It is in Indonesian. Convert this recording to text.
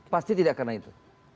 pasti tidak karena itu